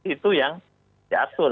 itu yang diatur